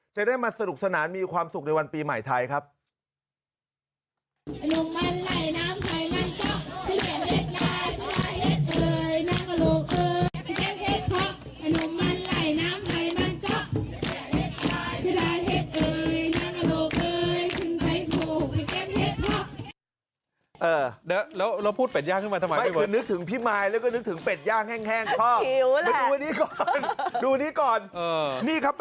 จะได้มาสนุกสนานมีความสุขในวันปีใหม่ไทยครับ